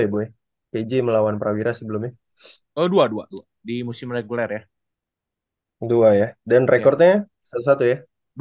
ya boy pj melawan perawiran sebelumnya oh dua ratus dua puluh dua di musim reguler ya dua ya dan rekordnya satu ya